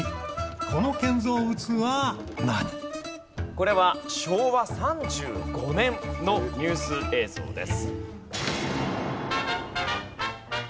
これは昭和３５年のニュース映像です。